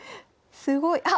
すごいあっ！